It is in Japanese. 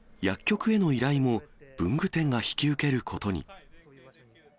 薬局への依頼も、文具店が引き受けることに。